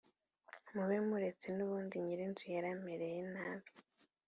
Mube muretse nubundi nyirinzu yaramereye nabi